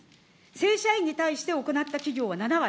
正社員に対して行った企業は７割。